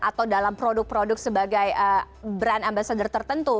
atau dalam produk produk sebagai brand ambasador tertentu